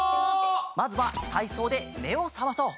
まずはたいそうでめをさまそう。